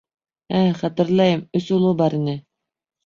Ә-ә, хәтерләйем, өс улы бар ине...